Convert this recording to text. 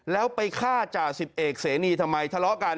แล้วไปฆ่าจ่าสิบเอกเสนีทำไมทะเลาะกัน